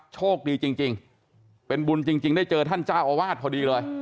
โชคดีจริงเป็นบุญจริงได้เจอท่านเจ้าอาวาสพอดีเลย